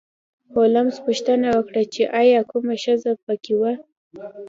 هولمز پوښتنه وکړه چې ایا کومه ښځه په کې وه